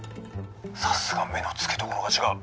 「さすが目の付けどころが違う！